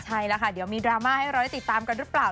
ใช่แล้วค่ะเดี๋ยวมีดราม่าให้เราได้ติดตามกันหรือเปล่า